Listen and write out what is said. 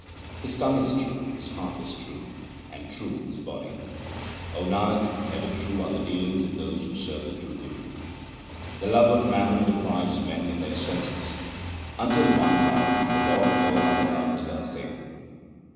His tongue is true, his heart is true, and true his body. 0 Nanak, ever true are the dealings of those who serve the true Guru. The love of mammon deprives men of their senses :— Until one love the Lord all other love 2 is unstable.